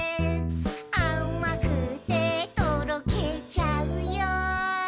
「あまくてとろけちゃうよ」